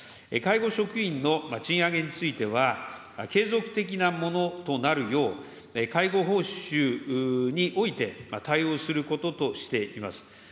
介護職員の賃上げについては、継続的なものとなるよう、介護報酬において対応することとしています。